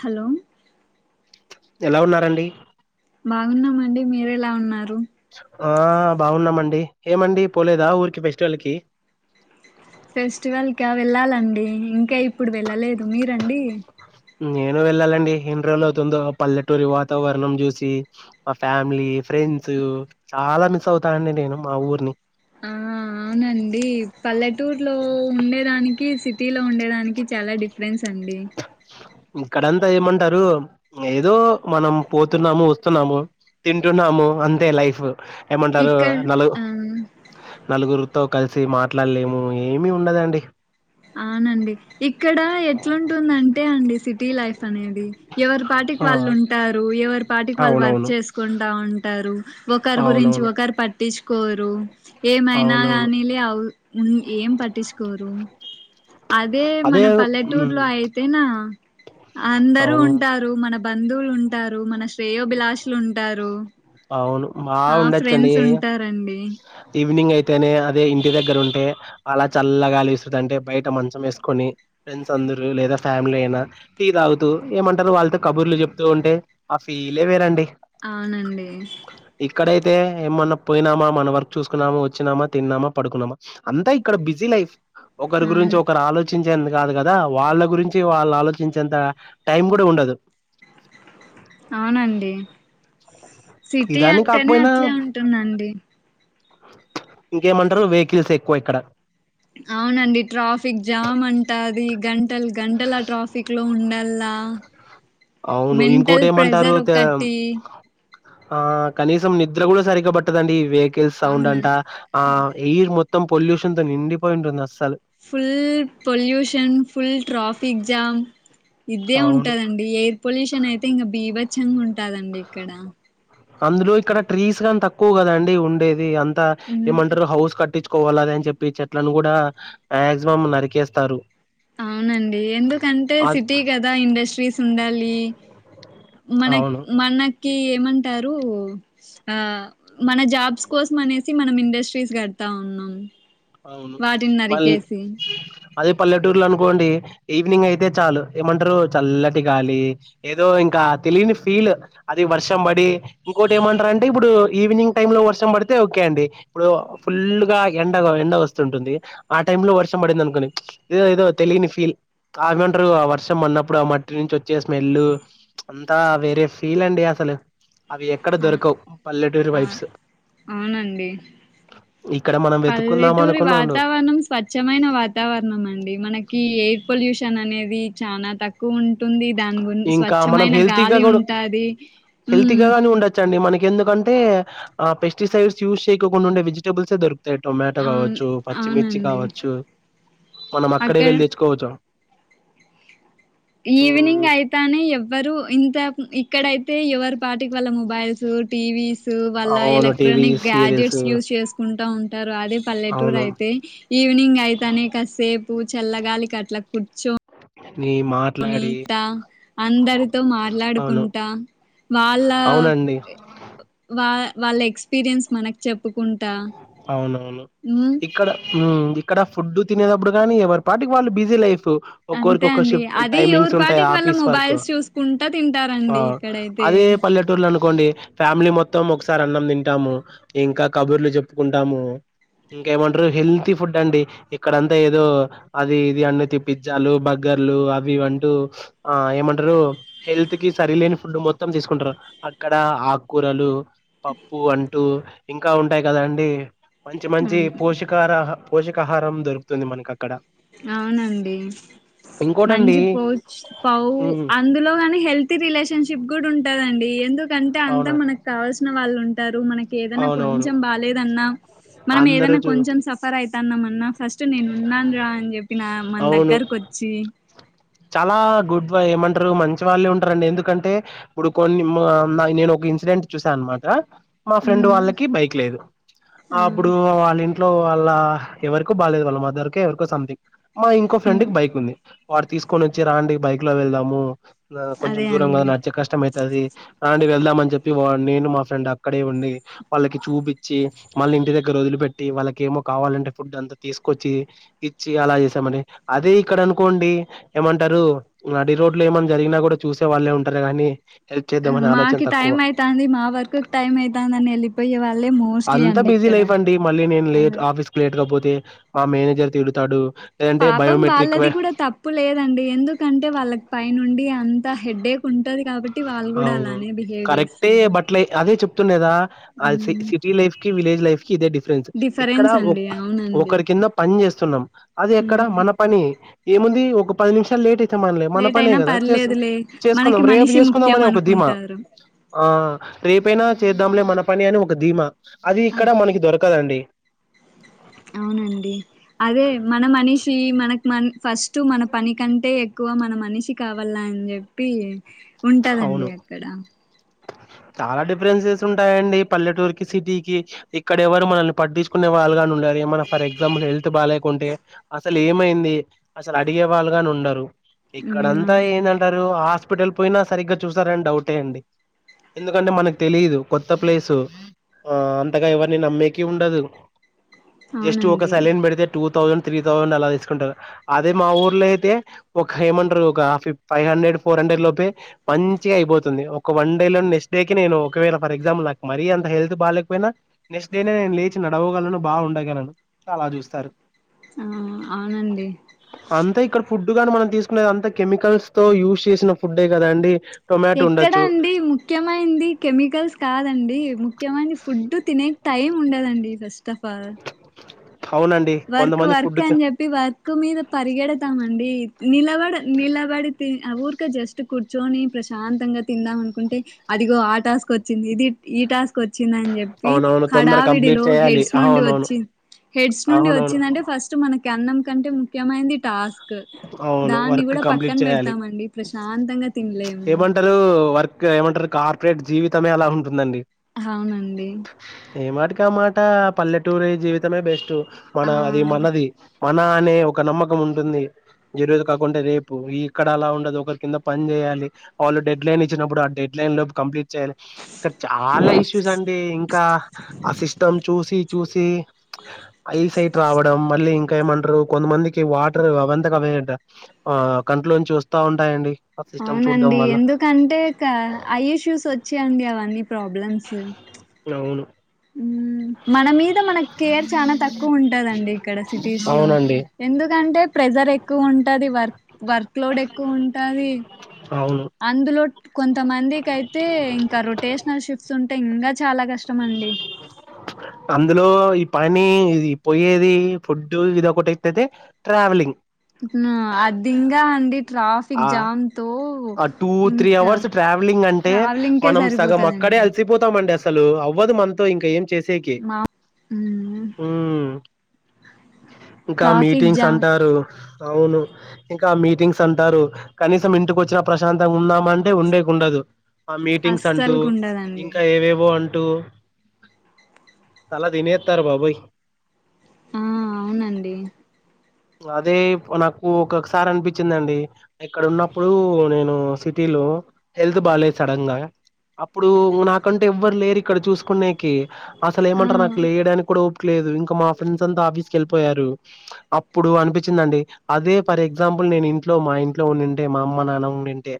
Hollow ఎలా ఉన్నారండి. బాగున్నామండి మీరు ఎలా ఉన్నారు. ఆ బాగున్నామండి ఏం మండి పోలేదా ఊరికి ఫెస్టివల్ కి‌ ఫెస్టివల్కా వెళ్ళాలండి ఇంకా ఇప్పుడు వెళ్ళలేదు మీ రాండి నేను వెళ్ళాలండి ఎన్ని రోజులవుతుందో పల్లెటూరి వాతావరణం చూసి మా ఫ్యామిలీ ఫ్రెండ్స్ చాలా మిస్ అవుతా అండి నేను మా ఊర్ని ఆ అవును అండి పల్లెటూర్లో ఉండే దానికి సిటీ లో ఉండే దానికి చాలా డిఫరెన్స్ అం అండి ఇక్కడంతా ఏమంటారు ఏదో మనం పోతున్నాము వస్తున్నాము తింటున్నా ము అంతే లైఫ్ ఏమంటారు ఇక్కడ ఆ నలుగురు తో కలిసి మాట్లాడలేము ఏమి ఉండదండి. అవునండి టి లైఫ్ అనేది ఎవరి పాటికి ఆ! వాళ్ళు ఉంటారు ఏ పాటికి వాళ్ళు వర్క్ అవునవును. చేసుకుంటా ఉంటారు ఒకరు గురించి అవునవును. ఒకరు పట్ టీచుకోరు ఏమైనా అవునవును. కానీ లే ఆం ఉమ్ ఏం పట్టించుకోరు అదే మన పల్లెటూరు లో అయితే నా అ అందరూ అవును. ఉంటారు మన బంధువులు ఉంటారు మన శ్రేయోభిలాషులు ఉంటారు. మా ఆ ఉండొచ్చండి ఫ్రెండ్స్ ఉంటారండి ఈవినింగ్ అయి అతేనే అదే ఇంటి దగ్గర ఉంటే అలా చల్ల‌ గాలిస్తు అంటే బయట మంచం వేసుకొని ఫ్రెండ్స్ అందరూ నురు లేదా ఫ్యామిలీ అయినా టీ తాగుతూ ఏమంటారు వాళ్ళతో కబుర్లు చెప్పుతూ చెప్పుతూ ఉంటే ఆ ఫీలే వేరండి. అవునండి. తే ఏమన్నా పోయినామా మన వర్క్ చూసుకున్నామా వచ్చినామా తిన్నామా పడుకున్నామా అంతా ఇక్కడ బిజీ లైఫ్ ఒకరు గురించి అవును ఒకరు ఆలోచించి చించే అంత కాదు కదా వాళ్ళ గురించి వాళ్ళు ఆలోచించేంత టైం కూడా ఉండదు అవునండి. సిటీ ఇదాన్ని అంటేనే అట్లే ఉంటుంది అండి ఇంక ఏం అంటారు వెహికల్స్ ఎక్కువ ఇక్కడ అవునండి ట్రాఫిక్ జామ్ అంటదీ గంటలు గంటల్ ట్రాఫిక్ లో ఉండా ఉండాలా అవును ఇంకోటి ఏమంటారు తెమ్ ఆ కనీసం నిద్ర కూడా సరిగ పట్టదండి వేగ్ వెహికల్ సౌండ్ అంట అవునండి ఆ ఎయిర్ మొత్తం పొల్యూషన్ తో నిండిపోయింటుంది అస్సలకి ఫుల్ పొల్యూషన్ ఫుల్ టాపిక్ జమ్ ఇద్దే అవును. ఉంటదండి ఎయిర్ పొల్యూషన్ అయితే ఇంకా బీభచ్చంగా ఉంటదండి ఇక్కడ. అందులో ఇక్కడ ట్రీస్ అనీ తక్కువ కదండి ఉండేది అంతా మ్మ్ ఏమంటారు హౌస్ కట్టించు కట్టించుకోవాలని చెప్పి చెట్ల ను కూడా మాక్సిమం నరికేస్తారు అవునండి ఎందుకంటే అద్ సిటీ కదా ఇండస్ట్రీస్ ఉండాలీ మన అవును. మనకి ఏమంటారు ఆ మన జాబ్స్ కోసం అనేసి మనం ఇండస్ట్రీస్ కడతా ఉన్నాం. అవును వాటిని మళి నరికేసి అదే పల్లెటూరులో అనుకోండి ఈవినింగ్ అయితే చాలు ఏమంటారు చల్లటి గాలి ఏదో ఇం. ఇంకా తెలియని ఫీల్ అది వర్షం పడి ఇంకోటి ఏమంటారు అంటే ఇప్పుడు ఈవినింగ్ టైమ్ లో వర్షం పడితే. అయితే ఓకే అండి ఇప్పుడు ఫుల్ గా ఎండ ఎండ వస్తుంటుంది ఆ టై లో వర్షం పడింది అనుకనిదో ప్చ్ ఏదో తెలిని ఫీల్ ఆ ఏమంట్రూ ఆ వర్షం అన్నప్పుడు ఆ మట్టి నుంచి వచ్చే స్మెల్లు ప్చ్ అంతా వేరే ఫీల్ అండి అసలు అవి ఎక్కడ ఆ దొరకవు పల్లెటూరి ఆ వైబ్స్ అవునండి ఇక్కడ మనం వెతుకు పల్లెటూరి వాతావరణం స్వచ్ఛమైన వాతావరణం అండి మనకి ఏ పొల్యూషన్ అనేది చానా తక్కువ ఉంటుంది ఉంటుంది దాని గు ఇంకా మనం స్వచ్ఛమైన హెల్తీగా గాలి కూడా ఉంటాది ఊమ్ ఎందుకంటే ఆ పెస్టిసైడ్స్యూస్ చేయకొకుండె వెజిటబుల్స్ ఏ దొరు తే టొమాటో అవును కావచ్చు పచ్చిమిర్చి అవునండి. కావచ్చు మనం అక్కడే అక్కడ వెళ్ళి తెచ్చుకోవచ్ ఈవినింగ్ హ్మ్ అయితనే ఎవ్వరు ఇంత ఇక్కడైతే ఎవరి పాటికి వాళ్ళ మొబైల్ సు టీవీసు వాళ్ల అవును TV electronic serials gadgets use చేసుకుంటా ఉంటారు అదే పల్లెటూర్ అవును అయితే ఈవినింగ్ అయితనే కాసేపు చల్లగాలికట్లా కుర్చో నీ నీ మాట్లాడి త అందరితో అవును మాట్లాడుకుంటా వాళ్ళ అవునండి. ఎ ఒ వా వాళ్ళ ఎక్స్పీరియన్స్ మనకు చెప్పు అవునవును ఇక్కడ ఊమ్ ఇక్కడ ఫుడ్ తినేప్పుడు గానీ ఎవరి పాటికి వాళ్ళు బిజీ లైఫ్ ఒక్కొరికి అంతే ఒక్కో అండి షిఫ్ అది టైమింగ్స్ ఎవరి ఉంటాయి పాటికి వాళ్ళ ఆఫీస్ వర్కు మొబైల్స్ చూసుకుంటా ఆ తింటారండి ఇక్కడైతే అదే ఇదే పల్లెటూర్లు అనుకోండి ఫ్యామిలీ మొత్తం ఒకసారి అన్నం తింటాము ఇంకా కబుర్లు చెబుతాము కుంటాము ఇంకేమంటారు హెల్తీ ఫుడ్ అండి ఇక్కడంతా ఏదో అది ఇది అన్నితి పిజ్జాలు బర్గర్ బర్గర్లు అవి ఇవ్ అంటూ ఆ ఏమంటరు హెల్త్ కి సరిలేని ఫుడ్ మొత్తం తీసుకుంట్రూ ఆ అక్కడ ఆకూరలు పప్పు అంటూ ఇంకా ఉంటాయి కదా అండి మంచి మంచి అవును పోషకారహ పోషకాహారం దొరుకుతుంది మన అక్కడ అవునండి ఇంకోటండి మంచి పోచ్ పౌ ఉమ్, అందులో హని హెల్తీ రిలేషన్షిప్ కూడా ఉంటదండి ఏ కంటే అంతా అవును మనకు కావాల్సిన వాళ్ళు ఉంటారు రు మన ఏదన అవునవును కొంచం బాలేదన్న మనం ఏదన అందరూ చూ కొంచెం సఫర్ అయ్ తన్నమన్న ఫస్ట్ నేనున్నా అని చెప్పిన మన అవును దగ్గరకు ఒచ్చి చాలా గుడ్వై ఏమంట్రూ మంచి వాళ్ళే ఉంట్రాండి ఎందుకంటే ఇప్పుడు కొన్ని మా నేను ఒక ఇన్సిడెంట్ చూసా అనమాట మా ఫ్రెండ్ హ్మ్ వాళ్ళకి బైక్ లేదు ఆ అపుడు వాళ ఇం ట్లొ వాళ్ల ఎవరికో బాలేదు వాళ్ళ మదర్ కో ఎవరికొ సంథింగ్ మా ఇంకో హ్మ్. ఫ్రెండ్కి బైక్ ఉంది వాడ్ తీసుకొని ఒచ్చి రా ఆంటీ బైక్ లో వెళ్దాము ఆ కొంచెం అదే దూరం కద అండి నడ్చెకి కష్టమైతాది ఆంటీ వెళ్దామని చెప్పి వాన్ నేను మా ఫ్రెండ్ అక్కడే ఉండి వాళ్ళకి చూపించి మళ్ళీ ఇంటి దగ్గర వదిలి పెట్టి వాళ్ళకి ఏమో కావాలంటే ఫుడ్ అంతా తీసుకొచ్చి ఇచ్చి అలా చేసామండి అదే ఇక్కడ అనుకోం డి ఏమంటారు నడి రోడ్ లో ఏమన్నా జరిగినా కూడా చూసే వాళ్ళే ఉంటారు కదండి అ మాకి టైం ఐతంది మా వర్కు టైం ఐతంది అని ఎళ్ళిపోయే వాళ్ అంత బిజీ లైఫ్ అండి మళ్ళీ నేను లేట్ అదే ఆఫీస్ కి లేట్కపోతే మా మేనేజర్ తిడతాడు లేదంటే పాపం బయోమెట్రిక్ వే వాళ్ళది కూడా తప్పు లేదండి ఎందుకంటే వాళ్ళకి పైనుండి అంత హెడ్డేకు టది కాబట్టి వాళ్ళు గూడా అవును. అలానే బిహేవ్ జేస్తారు దా అది సి సిటీ లైఫ్ కి విలేజ్ లైఫ్ కి ఇదే డిఫరెన్స్ ఇక్కడ డిఫరెన్స్ ఒ అండి ఉహ్ అవునండి. ఒకరి కింద పని జేస్ స్తున్నం అదే అక్కడ హ్మ్ మన పని ఏముంది ఒక పది నిమిషాలు లేట్ అయి తమనెలే మన లేట్ పనే అయినా గదా చేస్ పర్లేదులే చేసుకుందాం మనకి రేపు మనిషి చేసుకుందాం ముఖ్యం అనే ఒక దీమా అనుకుంటారు. ఆ రేపైనా చేద్దాంలే మన పని అని ఒక ధీమా అది ఆ ఇక్కడ మనకి దొరకదండి అవునండి అదే మన మనీష్ తీ మనకు మన్ ఫస్ట్ మన పని కంటే ఎక్కువ మన మనిషి కావాల అని జెప్పి అవును. ఉంటాదండి అక్కడ చాలా డిఫరెన్సెస్ ఉంటాయండి పల్లెటూరుకి సిటీకి ఇక్కడ ఎవరు మనల్ని పట్టించుకునే వాళ్ళు గాని ఉండరిగా మన ఫర్ ఎక్సంపుల్ హెల్త్ బాలేకుంటే అసలు ఏమైంది అసలు అడిగే వాళ్ళుగాని ఉండరు. హ్మ్ ఇక్కడంతా అవునండి. ఏందంటారు హాస్పిటల్ పోయినా సరిగ్గా చూసారని డౌటే అండి. ఎందుకంటే మనకు తెలీదు కొత్త ప్లేసు ఆ అంతగా ఎవరిని నమ్మేకి ఉండదు జస్ట్ ఒక అవునండి. సలైన్ పెడితే టూ థౌసండ్ త్రీ థౌసండ్ అలా తీసుకుంటారు అదే మా ఊర్లో అయితే ఒక ఏమంటారు ఒక ఫిఫ్ ఫైవ్ హండ్రెడ్ ఫోర్ హండ్రెడ్ లోపే మంచిగా అయిపోతుంది ఒక వన్ నెక్స్ట్ డే నేను ఒకవేళ ఫర్ ఎగ్జాంపుల్ నాకు మరి అంత హెల్త్ బాలేకపోయినా నెక్స్ట్ డే నేను లేచి నడవగల ను బా ఉండగలను అలా చూస్తారు. ఆ అవునండి. అంతా ఇక్కడ ఫుడ్ గానే మనం తీసుకునేది అంత కెమికల్స్ తో యూజ్ చేసిన ఫుడ్డే కదా అండి. ఎక్కడ అండి ముఖ్యమైనది కెమికల్స్ కాదండి ముఖ్యమైంది ఫు డ్డు తినే టైం ఉండదండి ఫస్ట్ ఆఫ్ ఆల్ అవునండి వర్క్ కొంతమంది వర్క్ ఫుడ్ అని చెప్పి వర్క్ మీద పరిగెడతామ అండి నిలబడ నిలబడి తి ఆ ఊరిక జస్ట్ కూర్చొని ప్రశాంతంగా తిందాం. అంటే అదిగో ఆ టాస్క్ వచ్చింది ఇది ఈ టాస్క్ వచ్చిందని చెప్పి అవునవును తొందర కంప్లీట్ హడావిడిలో చేయాలి హెడ్స్ నుండి అవునవును వచ్చి హెడ్స్ నుండి అవునవును వచ్చిందంటే ఫస్ట్ మనకి అన్నం కంటే ముఖ్యమైంది టాస్క్ కు అవును దాన్ని వర్క్ కూడా పక్కన కంప్లీట్ చేయాలి పెడతామండి ప్రశాంతంగా తినలేము. ఇంకా ఏమంటరు కార్పొరేట్ జీవితమే అలా ఉంటుందండి. అవునండి. టమాట పల్లెటూరి జీవితమే బెస్ట్ మన ఆ అది మనది మన అనే ఒక నమ్మకం ఉంటుంది. ఈ రోజు కాకుంటే రేపు ఇక్కడ అలా ఉండదు ఒకరి కింద పని చేయాలి. వాళ్ళు డెడ్ లైన్ ఇచ్చినప్పుడు ఆ డెడ్లై టైము లోపు కంప్లీట్ చేయాలే ఇక్కడ చాలా ఇష్యూస్ అండి ఇంకా ఆ సిస్టమ్ చూసి చూసి ప్చ్ ఐ సైట్ రావడం, మళ్ళీ ఇంకా ఏమంట్రు. కొంతమందికి వాటర్ అవన్ తాటవే అంట ఆ కంట్లోంచి వస్తా ఉంటాయండి. ఆ సిస్టమ్ చూడ్డం అవునండి వల్ల ఎందుకంటే క ఐ ఇష్యూస్ వచ్చాయండి అవన్నీ ప్రాబ్లమ్సు. ఉమ్ అవ్ ఉమ్ మన మీద మనకేర్ చానా తక్కువ ఉంటదండి. ఇక్కడ సిటీస్ లో అవునండి ఎందుకంటే ప్రెజర్ ఎక్కువ ఉంటది. వర్క్ వర్క్లోడ్ ఎక్కువ ఉంటది. అవును అందులో ట్ కొంతమందికి అయితే. ఇంకా రొటేషనల్ షిఫ్ట్స్ ఉంటే ఇంగా చాలా కష్టమండి. [inaudible] అందులో ఈ పని ఇది పోయేది, ఫుడ్డు, ఇది ఒకటియితేయితే ట్రావెలింగ్. అత్నా అది ఇంగా అండి ట్రాఫిక్ ఆ జామ్ తో ఆ టూ త్రీ ఇంకా అవర్స్ ట్రావెలింగ్ అంటే. ట్రావెలింగ్కే మనం సగం అక్కడే సరిపోతదండి అలిసిపోతామండస్ సలు అవ్వదు మనతో ఇంకా ఏం చేసేకి. మా హ్మ్. ఉమ్ ఇంకా ట్రాఫిక్ మీటింగ్స్ జామ్ అంటారు. అవును ఇంకా మీటింగ్స్ అంటారు. కనీసం ఇంటికో చ్చిన ప్రశాంతంగా ఉందమంటే. ఉండేకుండదు ఆ మీటింగ్స్ అంటూ, అస్సలుకు ఉండదండి ఇంకా ఏవేవో అం టూ తల తినేతరు బాబోయ్. ఆ అవునండి. అదే ఇప్ నాకు ఒక్కొక్కసారి అనిపించిందండి ఏక్కడ ఉన్నప్పుడు, నేను సిటీ లో హెల్త్ బాలేద్ సడన్ గా అప్పుడు నాకంటు ఎవ్వరు లేరు ఇక్కడ చూసుకునేకి. అసలు ఆ ఏమంటారు నాకు లేయడానికి కూడా ఓప్ క్లేదు. ఇంకా మా ఫ్రెండ్స్ అంతా ఆఫీస్కి వెళ్ళిపోయారు. అప్పుడు అనిపించింది అండి. అదే ఫర్ ఎగ్జాంపుల్ వునే నేను ఇంట్లో మా ఇంట్లో ఉండింటే. మా అమ్మ మ్మ, నాన్న ఉండుంటే.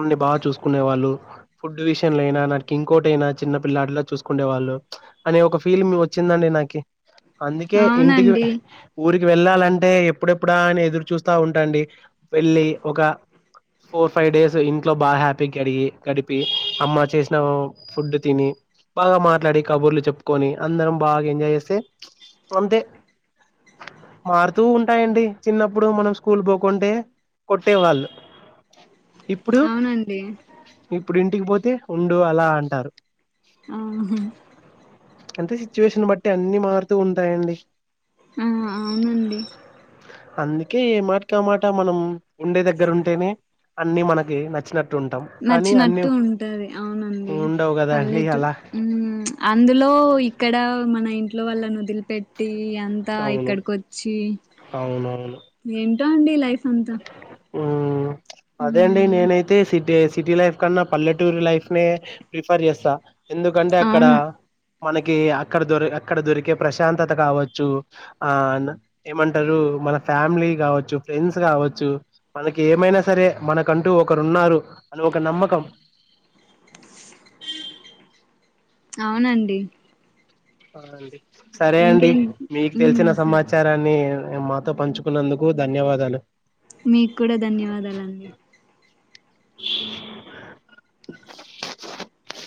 ఉండి బాగా చూసుకునే వాళ్ళు ఫుడ్ విషయము లో అయినా, నాకి ఇంకోటి అయినా. చిన్నప్ పిల్లాడిలా చూసుకుండే వాళ్ళు. అనే ఒక ఫీలింగ్ వచ్చిందండి నాకి. అందుకే ఇంటికి. అవునండి ఊర్ కి వెళ్ళాలంటే. ఎప్పుడెప్పుడా అని ఎదురు చూస్తా ఉంటండి. వెళ్ళి ఒక ఫోర్ ఫైవ్ డేస్ ఇంట్లో బాగా హ్యాపీ గాడిగి, గాడిపి అమ్మ చేసిన ఫుడ్ తిని. బాగా మాట్లాడి కబుర్లు చెప్పుకొని. అందరం బాగా ఎంజాయ్ చేస్తే. ప్చ్ అంతే మారుతూ ఉంటాయండి. చిన్నప్పుడు మనం స్కూల్ పోకుంటే. కొట్టేవాళ్ళు ఇప్పుడు? అవునండి ఇప్పుడు ఇంటికి పోతే ఉండు అలా అంటారు. ఆహాం అంతే సిచ్యువేషన్ బట్టి అన్ని మారుతూ ఉంటాయండి. ఆహ్ అవునండి అందుకే ఏమాటికమాట మనం. ఉండే దగ్గర ఉంటేనే అన్ని మనకి నచ్చినట్ నచ్చినట్టు ఉంటది. అవునండి ఉండవు కదా అండి పల్లెటూ అలా అందులో పోయ్ ఇక్కడ మన ఇం ట్లో వల్ళ వదిలిపెట్టి. అంతా అవును ఇక్కడికోచ్చి. అవునవును ఏం ఆ అండి లైఫ్ అంతా ఉహ్ అదే అండి మ్మ్ నేనైతే సి. టి ఐస్ సి. టీ లైఫ్ కన్నా, పల్లెటూరి లైఫ్ ప్రిఫర్ చేస్తా. ఎందుకంటే అక్కడ? అవును మనకి అక్కడ దొరే అక్కడ దొరికే ప్రశాంతత కావచ్చు. ఆ నా ఏమంటారు. మన ఫ్యామిలీ గావచ్చు. ఫ్రెండ్స్ కావచ్చు. మనకి ఏమైనా సరే మనకంటూ ఒకరు ఉన్నారు. అని ఒక నమ్మకం. [inaudible] ప్చ్ అవునండి ఆ అండి సరే అండి. ఇంకేం మీకు మ్మ్ తెలిసిన సరే సమాచారాన్ని ఇగ్ మాతో పంచుకున్నందుకు ధన్యవాదాలు. మీకూడా ధన్యవాదాలండి. [inaudible] [inaudible]